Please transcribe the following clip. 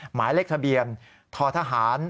หมายเลขทะเบียนททหาร